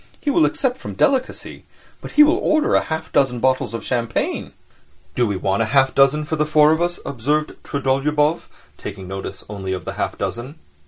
He will accept from delicacy, but he will order half a dozen bottles of champagne." "Do we want half a dozen for the four of us?" observed Trudolyubov, taking notice only of the half dozen.